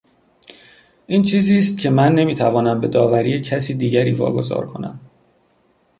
این چیزی است که من نمیتوانم به داوری کسی دیگری واگذار کنم.